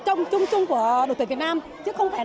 chân thành nhất chẳng đáy lòng hết